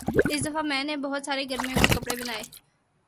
اس دفعہ میں نے بہت سارے گرمیوں کے کپڑے بنائے